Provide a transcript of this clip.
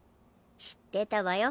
知ってたわよ